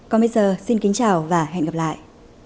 còn bây giờ xin kính chào và hẹn gặp lại